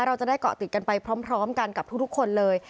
เราจะได้เกาะติดกันไปพร้อมกันกับทุกคนเลย